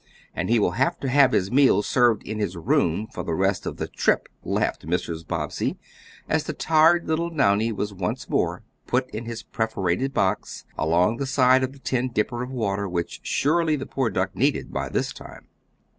"And he will have to have his meals served in his room for the rest of his trip," laughed Mrs. Bobbsey, as the tired little Downy was once more put in his perforated box, along the side of the tin dipper of water, which surely the poor duck needed by this time.